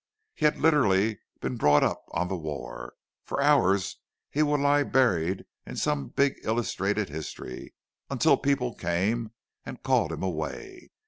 He had literally been brought up on the war—for hours he would lie buried in some big illustrated history, until people came and called him away.